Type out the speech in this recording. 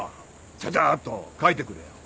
ちゃちゃっと書いてくれ。